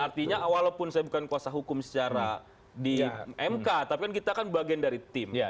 artinya walaupun saya bukan kuasa hukum secara di mk tapi kan kita kan bagian dari tim